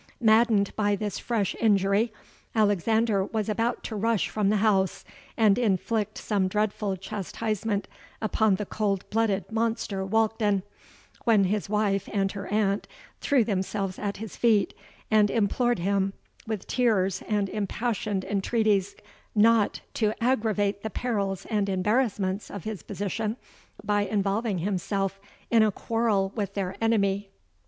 Maddened by this fresh injury, Alexander was about to rush from the house and inflict some dreadful chastisement upon the cold blooded monster Walkden, when his wife and her aunt threw themselves at his feet, and implored him, with tears and impassioned entreaties, not to aggravate the perils and embarrassments of his position by involving himself in a quarrel with their enemy.